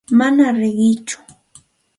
Manam riqiitsu.